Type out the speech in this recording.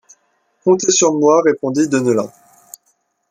Comptez sur moi, répondit Deneulin.